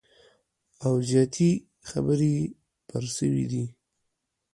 او زیاتي خبري پر سوي دي